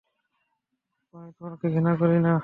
আমি তোমাকে ঘৃণা করি না।